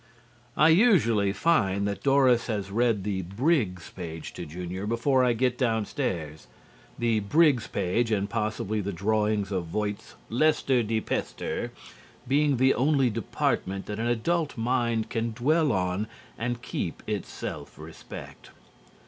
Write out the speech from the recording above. I usually find that Doris has read the Briggs page to Junior before I get downstairs, the Briggs page (and possibly the drawings of Voight's Lester De Pester) being the only department that an adult mind can dwell on and keep its self respect.